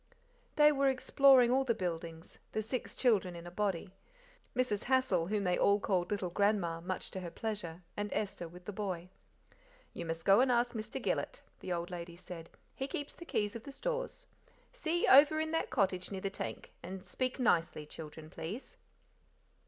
They were exploring all the buildings the six children in a body, Mrs. Hassal, whom they all called "little grandma," much to her pleasure, and Esther with the boy. "You must go and ask Mr. Gillet," the old lady said; "he keeps the keys of the stores. See, over in that cottage near the tank, and speak nicely, children, please."